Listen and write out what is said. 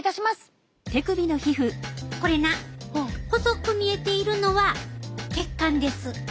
これな細く見えているのは血管です。